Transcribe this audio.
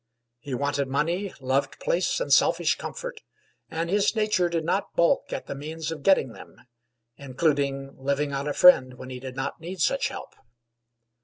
He wanted money, loved place and selfish comfort, and his nature did not balk at the means of getting them, including living on a friend when he did not need such help.